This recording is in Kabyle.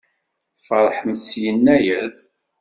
Tfeṛḥemt s Yennayer?